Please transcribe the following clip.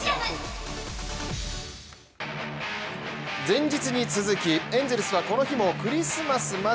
前日に続きエンゼルスはこの日もクリスマスま